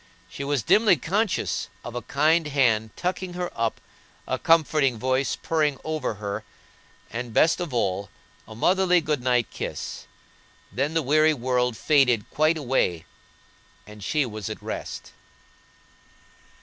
She was dimly conscious of a kind hand tucking her up, a comfortable voice purring over her, and, best of all, a motherly good night kiss, then the weary world faded quite away and she was at rest.